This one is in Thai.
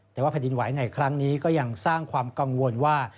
แต่ว่าแผ่นดินไหวในครั้งนี้ก็ยังสร้างความกังวลว่า